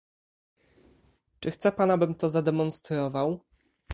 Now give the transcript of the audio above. "Czy chce pan abym to zademonstrował?"